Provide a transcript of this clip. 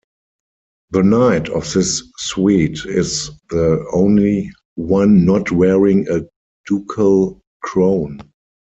The Knight of this suit is the only one not wearing a ducal crown.